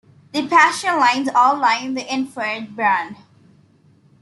The Paschen lines all lie in the infrared band.